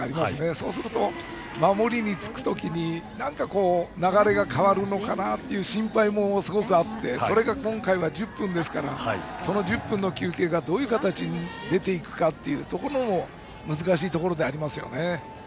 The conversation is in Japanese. そうすると守りにつく時に流れが変わるのかなという心配もすごくあってそれが今回は１０分ですからその１０分の休憩がどういう形で出て行くのかも難しいところですよね。